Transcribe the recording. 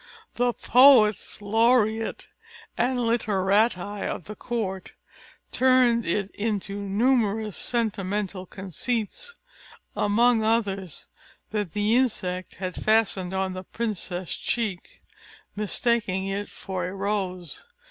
The poets laureate and literati of the court turned it into numerous sentimental conceits; amongst others, that the insect had fastened on the princess's cheek mistaking it for a rose.